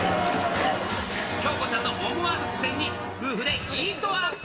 京子ちゃんの思わぬ苦戦に、夫婦でヒートアップ。